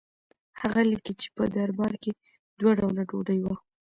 هغه لیکي چې په دربار کې دوه ډوله ډوډۍ وه.